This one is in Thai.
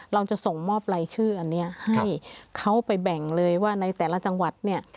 เราจะส่งมอบรายชื่ออันนี้ให้เขาไปแบ่งเลยว่าในแต่ละจังหวัดเนี่ย